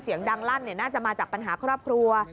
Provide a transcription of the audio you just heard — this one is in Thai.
เสียงดังลั่นน่าจะมาจากปัญหาครอบครัว